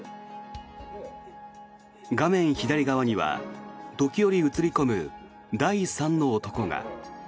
画面左側には時折映り込む第三の男が。